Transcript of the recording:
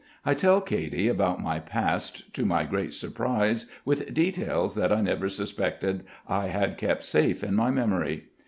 I tell Katy about my past, to my great surprise with details that I never suspected I had kept safe in my memory.